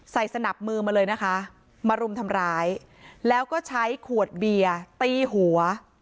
สนับมือมาเลยนะคะมารุมทำร้ายแล้วก็ใช้ขวดเบียร์ตีหัว